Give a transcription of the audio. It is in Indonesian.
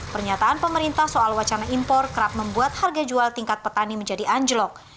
pernyataan pemerintah soal wacana impor kerap membuat harga jual tingkat petani menjadi anjlok